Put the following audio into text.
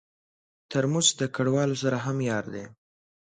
ترموز د کډوالو سره هم یار دی.